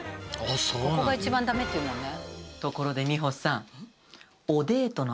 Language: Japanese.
そこが一番だめっていうもんね。